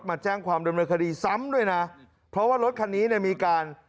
มาแจ้งความเดินบริคารีซ้ำด้วยนะเพราะว่ารถคันนี้มีการ